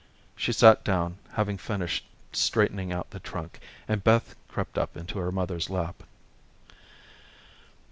'" She sat down, having finished straightening out the trunk, and Beth crept up into her mother's lap.